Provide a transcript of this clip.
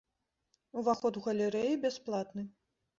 Уваход у галерэі бясплатны.